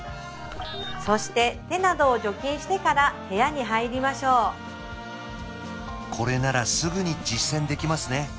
そして手などを除菌してから部屋に入りましょうこれならすぐに実践できますね